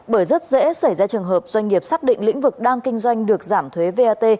bởi rất dễ xảy ra trường hợp doanh nghiệp xác định lĩnh vực đang kinh doanh được giảm thuế vat